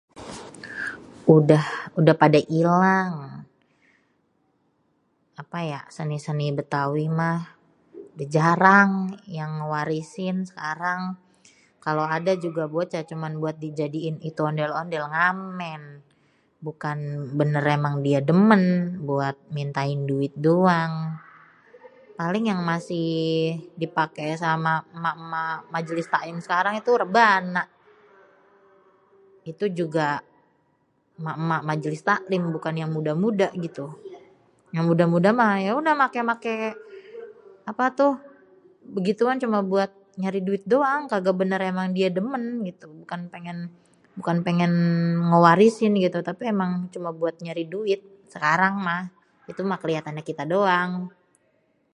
udah, udah pada ilang apa ya seni-seni bétawi mah udah jarang yang ngêwarisin sekarang kalo ada juga bocah cuman buat dijadiin itu ondél-ondél buat ngamén bukan bênêr emang diê dêmên buat mintain duit doang. Paling yang masih di paké sama èmak-èmak majelis taklim sekarang itu rebana, itu juga èmak-èmak majelis taklim bukan yang muda-muda gitu. yang muda-muda mah ya udah maké-maké apatuh begituan cuma buat nyari duit doang kagak bênêr emang dia dêmên gitu bukan péngén bukan péngén ngêwarisin gitu tapi emang cuma buat nyari duit sekarang mah itu mah keliatan gimana kita doang.